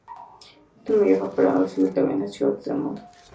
Es el mayor operador civil de aviones Shorts del mundo.